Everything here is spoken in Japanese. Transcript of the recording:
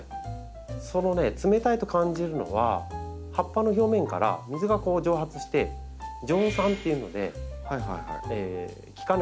そのね冷たいと感じるのは葉っぱの表面から水が蒸発して蒸散っていうので気化熱が発生して冷たくなってるんです。